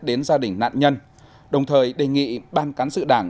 đến gia đình nạn nhân đồng thời đề nghị ban cán sự đảng